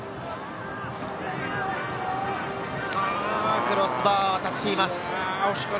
クロスバーに当たっています。